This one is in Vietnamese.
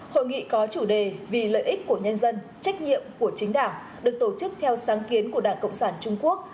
hội nghị có chủ đề vì lợi ích của nhân dân trách nhiệm của chính đảng được tổ chức theo sáng kiến của đảng cộng sản trung quốc